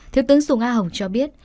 thiếu tướng sùng a hồng cho biết